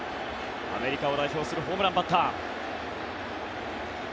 アメリカを代表するホームランバッター。